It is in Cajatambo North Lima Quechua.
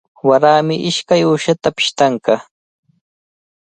Warami ishkay uyshata pishtanqa.